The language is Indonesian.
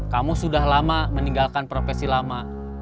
kamu sudah lama meninggalkan profesi lama